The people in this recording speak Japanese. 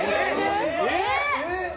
えっ！